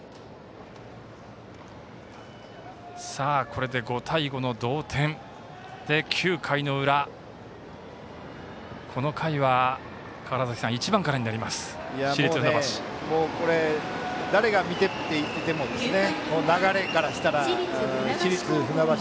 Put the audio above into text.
これで５対５の同点で９回の裏、この回は１番からになります、市立船橋。